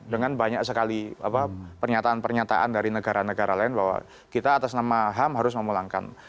dengan banyak sekali pernyataan pernyataan dari negara negara lain bahwa kita atas nama ham harus memulangkan